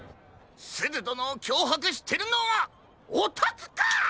すずどのをきょうはくしてるのはおたくか！